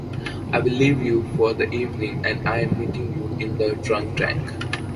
I’ll leave you for the evening and I’m meeting you in the drunk tank!